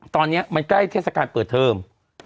ตอนนี้มันใกล้เทศกาลเปิดเทอม